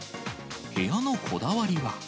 部屋のこだわりは。